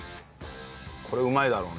これうまいだろうね。